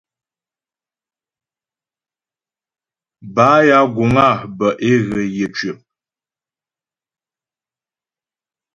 Bâ ya guŋ á bə́ é ghə yə̌ cwəp.